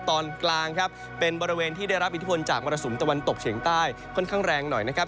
ตอนกลางครับเป็นบริเวณที่ได้รับอิทธิพลจากมรสุมตะวันตกเฉียงใต้ค่อนข้างแรงหน่อยนะครับ